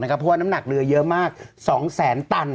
เพราะว่าน้ำหนักเรือเยอะมาก๒แสนตัน